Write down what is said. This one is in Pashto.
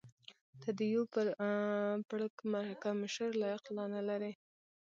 ته د یو پړکمشر لیاقت لا نه لرې.